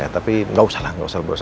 tapi gak usah lah gak usah buros